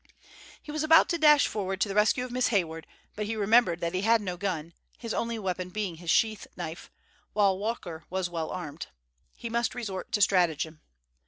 He was about to dash forward to the rescue of Miss Hayward, but he remembered that he had no gun, his only weapon being his sheath knife, while Walker was well armed. He must resort to stratagem.